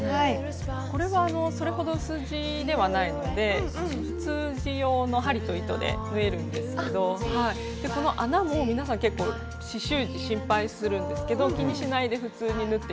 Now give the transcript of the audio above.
これはそれほど薄地ではないので普通地用の針と糸で縫えるんですけどこの穴も皆さん結構刺しゅう地心配するんですけど気にしないで普通に縫って頂けますね。